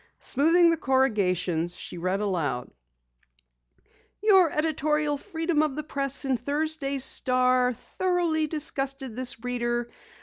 Smoothing the corrugations, she read aloud: "YOUR EDITORIAL 'FREEDOM OF THE PRESS' IN THURSDAY'S STAR THOROUGHLY DISGUSTED THIS READER.